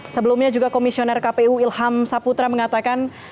sebelumnya juga komisioner kpu ilham saputra mengatakan